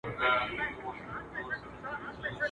د ورځو په رڼا کي خو نصیب نه وو منلي.